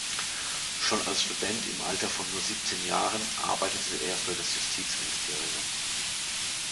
Schon als Student, im Alter von nur siebzehn Jahren, arbeitete er für das Justizministerium.